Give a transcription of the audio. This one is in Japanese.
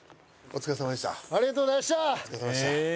お疲れさまでした。